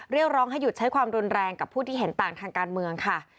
เรียกร้องให้หยุดใช้ความรุนแรงกับผู้ที่เห็นต่างทางการเมืองค่ะ